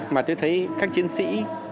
mà tôi thấy các chiến sĩ